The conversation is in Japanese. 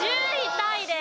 タイです。